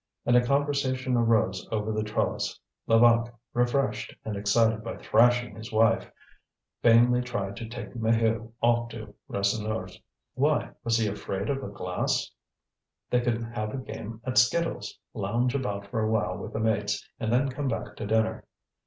And a conversation arose over the trellis. Levaque, refreshed and excited by thrashing his wife, vainly tried to take Maheu off to Rasseneur's. Why, was he afraid of a glass? They could have a game at skittles, lounge about for a while with the mates, and then come back to dinner.